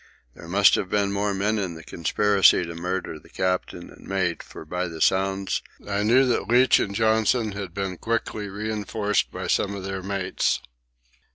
There must have been more men in the conspiracy to murder the captain and mate, for by the sounds I knew that Leach and Johnson had been quickly reinforced by some of their mates.